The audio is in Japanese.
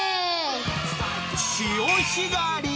潮干狩り。